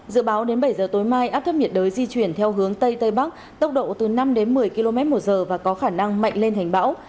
dự báo đến bảy giờ tối mai áp thấp nhiệt đới di chuyển theo hướng tây tây bắc tốc độ từ năm đến một mươi km một giờ và có khả năng mạnh lên hành bão